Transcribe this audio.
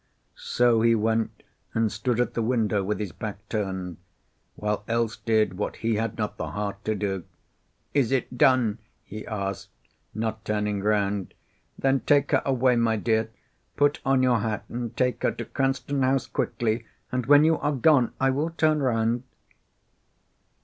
So he went and stood at the window with his back turned, while Else did what he had not the heart to do. "Is it done?" he asked, not turning round. "Then take her away, my dear. Put on your hat, and take her to Cranston House quickly, and when you are gone I will turn round."